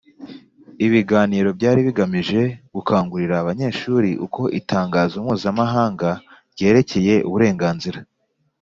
Ibiganiro byari bigamije gukangurira abanyeshuri uko Itangazo Mpuzamahanga ryerekeye uburenganzira